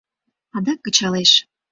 Адак кычалеш.